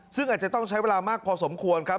ซึ่งอาจจะต้องใช้เวลามากพอสมควรครับ